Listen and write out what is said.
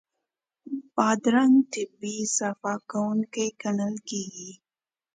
بادرنګ طبعي صفا کوونکی ګڼل کېږي.